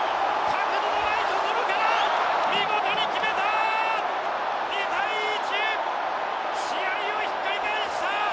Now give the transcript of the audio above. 角度のないところから見事に決めた２対１！試合をひっくり返した！